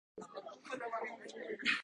こんばんは、今日のニュースをお伝えします。